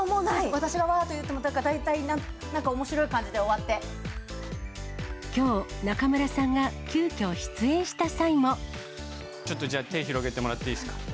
私がなんか言っても、大体なきょう、中村さんが急きょ、ちょっとじゃあ、手広げてもらっていいですか。